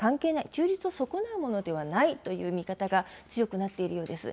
中立を損なうものではないという見方が強くなっているようです。